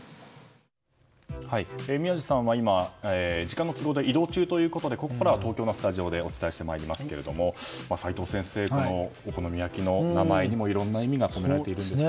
宮司さんは今、時間の都合で移動中ということでここからは東京のスタジオでお伝えしてまいりますけども齋藤先生、お好み焼きの名前にもいろんな意味が込められているんですね。